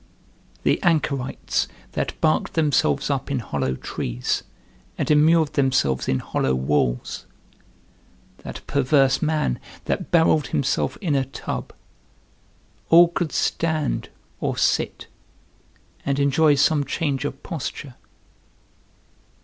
The anchorites that barked themselves up in hollow trees and immured themselves in hollow walls, that perverse man that barrelled himself in a tub, all could stand or sit, and enjoy some change of posture.